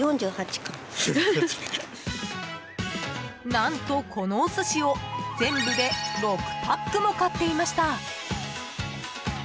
何と、このお寿司を全部で６パックも買っていました。